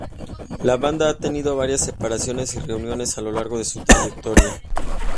La banda ha tenido varias separaciones y reuniones a lo largo de su trayectoria.